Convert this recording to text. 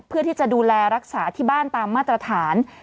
เพื่อที่จะดูแลรักษาที่บ้านตามมาตรฐาน